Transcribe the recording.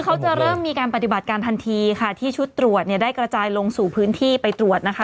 เขาจะเริ่มมีการปฏิบัติการทันทีค่ะที่ชุดตรวจเนี่ยได้กระจายลงสู่พื้นที่ไปตรวจนะคะ